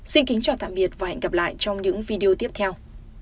xin kính chào và hẹn gặp lại trong những video tiếp theo